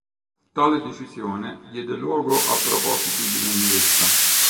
Tale decisione diede luogo a propositi di vendetta.